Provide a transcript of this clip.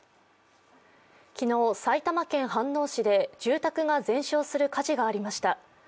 昨日、埼玉県飯能市で住宅が全焼する火事がありました。